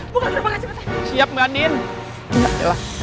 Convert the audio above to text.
buka gerbangnya cepetan